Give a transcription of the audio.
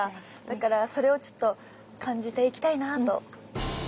だからそれをちょっと感じていきたいなと思ってます。